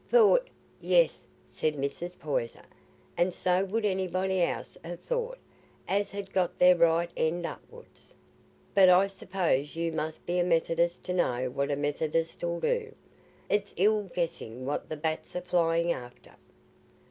"Thought! Yes," said Mrs. Poyser, "and so would anybody else ha' thought, as had got their right end up'ards. But I suppose you must be a Methodist to know what a Methodist 'ull do. It's ill guessing what the bats are flying after."